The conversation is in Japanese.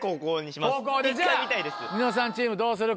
じゃニノさんチームどうする？